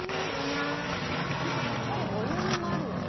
何かしっかりボリュームもあるよね。